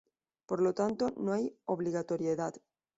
Por lo tanto, no hay obligatoriedad.